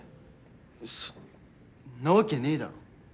そんなわけねえだろ！